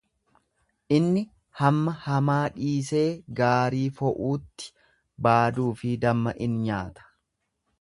Inni hamma hamaa dhiisee gaarii fo'uutti baaduu fi damma in nyaata.